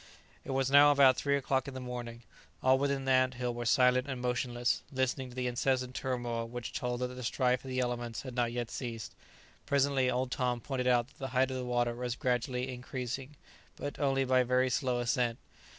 It was now about three o'clock in the morning. All within the ant hill were silent and motionless, listening to the incessant turmoil which told that the strife of the elements had not yet ceased. Presently, old Tom pointed out that the height of the water was gradually increasing, but only by very slow ascent.